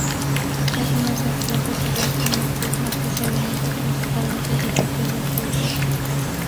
Es una serpiente terrestre y nocturna que se alimenta principalmente de pequeños roedores.